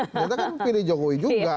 ternyata kan pilih jokowi juga